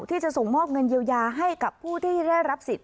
ที่จะส่งมอบเงินเยียวยาให้กับผู้ที่ได้รับสิทธิ